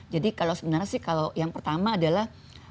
jadi kalau sebenarnya sih kalau yang pertama adalah